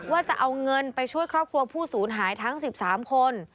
ว่าจะเอาเงินไปช่วยครอบครัวผู้สูญหายทั้ง๑๓คน